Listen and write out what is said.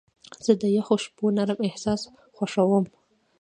زه د یخو شپو نرم احساس خوښوم.